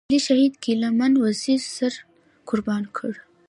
ملي شهيد ګيله من وزير سر قربان کړ.